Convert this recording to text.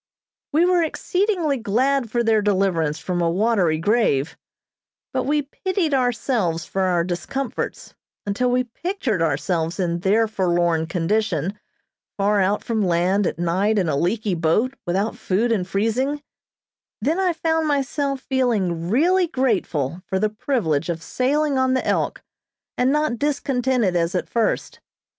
We were exceedingly glad for their deliverance from a watery grave, but we pitied ourselves for our discomforts, until we pictured ourselves in their forlorn condition, far out from land, at night, in a leaky boat, without food and freezing; then I found myself feeling really grateful for the privilege of sailing on the "Elk," and not discontented as at first.